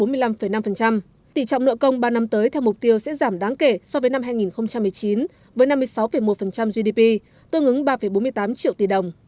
tỷ trọng nợ công ba năm tới theo mục tiêu sẽ giảm đáng kể so với năm hai nghìn một mươi chín với năm mươi sáu một gdp tương ứng ba bốn mươi tám triệu tỷ đồng